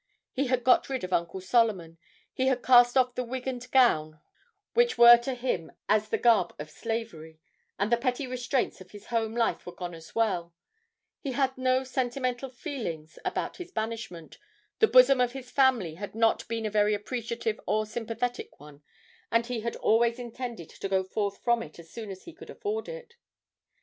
He had got rid of Uncle Solomon, he had cast off the wig and gown which were to him as the garb of slavery, and the petty restraints of his home life were gone as well; he had no sentimental feelings about his banishment, the bosom of his family had not been a very appreciative or sympathetic one, and he had always intended to go forth from it as soon as he could afford it.